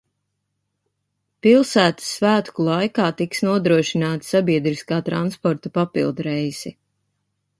Pilsētas svētku laikā tiks nodrošināti sabiedriskā transporta papildreisi.